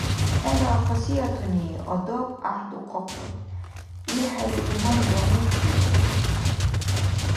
Хӏела хасиятуни—адаб гӏяхӏдухъахъен, илхӏели иманра мурхьбирар.